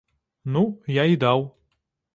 Ну, я і даў.